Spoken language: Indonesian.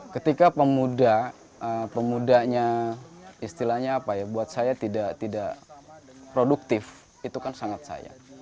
ketika pemuda pemudanya istilahnya apa ya buat saya tidak produktif itu kan sangat sayang